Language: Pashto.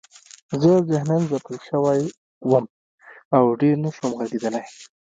زه ذهناً ځپل شوی وم او ډېر نشوم غږېدلی